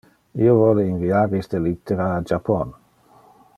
Io vole inviar iste littera a Japon.